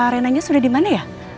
renanya sudah dimana ya